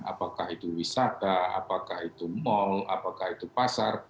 apakah itu wisata apakah itu mal apakah itu pasar